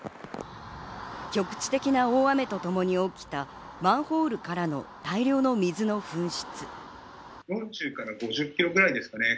局地的な大雨とともに起きたマンホールからの大量の水の噴出。